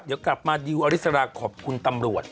เดี๋ยวกลับมาดิวอริสราขอบคุณตำรวจ